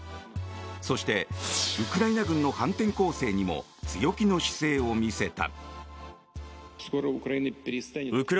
そしてウクライナ軍の反転攻勢にも強気の姿勢を見せた。